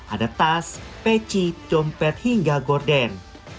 ada tas peci dompet hingga gorden